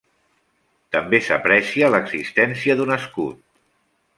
També s'aprecia l'existència d'un escut.